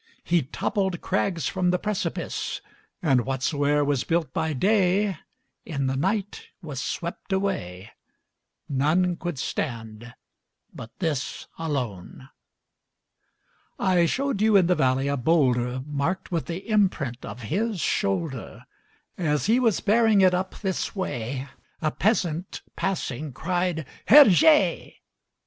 He toppled crags from the precipice, And whatsoe'er was built by day In the night was swept away; None could stand but this alone. LUCIFER, under the bridge. Ha! ha! GUIDE. I showed you in the valley a bowlder Marked with the imprint of his shoulder; As he was bearing it up this way, A peasant, passing, cried, "Herr Je!